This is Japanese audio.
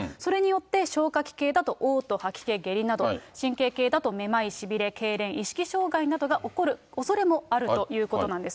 それによって消化器系だと、おう吐、吐き気、下痢など、神経系だとめまい、しびれ、けいれん、意識障害などが起こるおそれもあるということなんです。